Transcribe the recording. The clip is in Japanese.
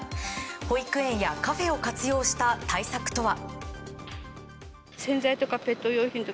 保育園やカフェを活用した対策とは？